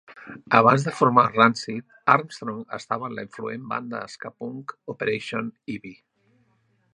Abans de formar Rancid, Armstrong estava en la influent banda ska punk Operation Ivy.